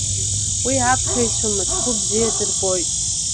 Уи аԥхьаҩцәа мыцхәы бзиа дырбоит.